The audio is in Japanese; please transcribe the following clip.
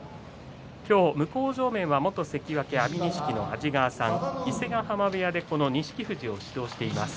今日、向正面は元関脇安美錦の安治川さん伊勢ヶ濱部屋でこの錦富士を指導しています。